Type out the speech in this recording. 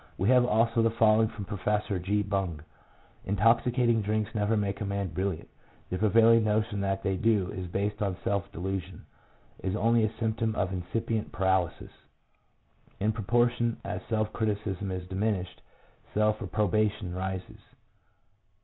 We have also the following from Professor G. Bunge: —" Intoxicating drinks never make a man brilliant. The prevailing notion that they do is based on self delusion, is only a symptom of incipient paralysis; in proportion as self criticism is diminished, self appro bation rises."